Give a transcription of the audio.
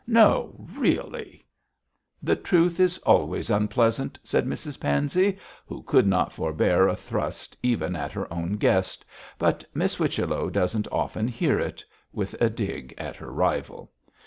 No, really!' 'The truth is always unpleasant,' said Mrs Pansey, who could not forbear a thrust even at her own guest, 'but Miss Whichello doesn't often hear it,' with a dig at her rival.